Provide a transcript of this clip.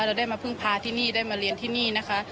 เราได้มาพึ่งพาที่นี่ได้มาเรียนที่นี่นะคะ